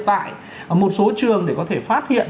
tại một số trường để có thể phát hiện